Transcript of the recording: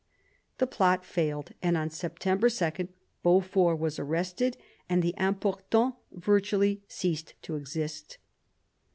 The plot failed, and on Septem ber 2 Beaufort wag arrested, and the Importants virtually ceased to exist.